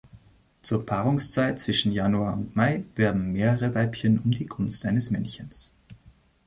Zur Paarungszeit zwischen Januar und Mai werben mehrere Weibchen um die Gunst eines Männchens.